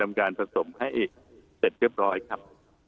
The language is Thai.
มีการผสมให้เสร็จเรียบร้อยครับ